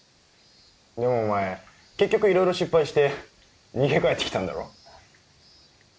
でもお前結局いろいろ失敗して逃げ帰ってきたんだろ。